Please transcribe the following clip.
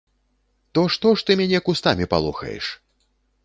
То што ж ты мяне кустамі палохаеш?